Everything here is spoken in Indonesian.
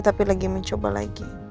tapi lagi mencoba lagi